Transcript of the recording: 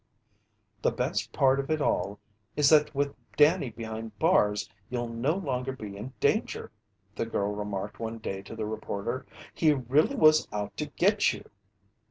"The best part of all is that with Danny behind bars, you'll no longer be in danger," the girl remarked one day to the reporter. "He really was out to get you."